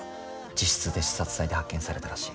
自室で刺殺体で発見されたらしい。